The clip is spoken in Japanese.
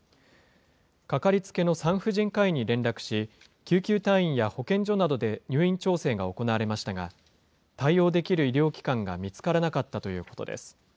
掛かりつけの産婦人科医に連絡し、救急隊員や保健所などで入院調整が行われましたが、対応できる医療機関が見つからなかったということです。